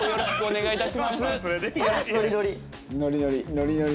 ノリノリ。